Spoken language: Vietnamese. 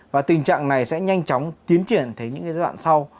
và tình trạng này sẽ nhanh chóng tiến triển tới những giai đoạn sau